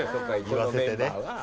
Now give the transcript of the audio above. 言わせてね。